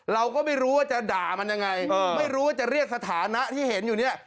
เราก็ไม่รู้ว่าจะด่ามันยังไงไม่รู้ว่าจะเรียกสถานะที่เห็นอยู่เนี่ย